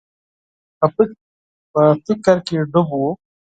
په فکر کي ډوب و.